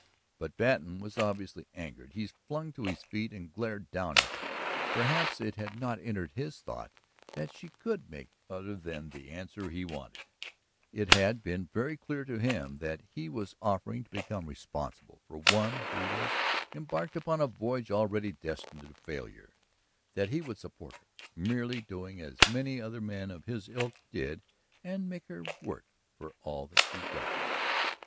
But Patten was obviously angered. He flung to his feet and glared down at her. Perhaps it had not entered his thought that she could make other than the answer he wanted; it had been very clear to him that he was offering to become responsible for one who was embarked upon a voyage already destined to failure, that he would support her, merely doing as many other men of his ilk did and make her work for all that she got.